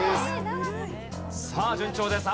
さあ順調です。